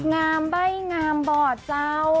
งามใบ้งามบ่อเจ้า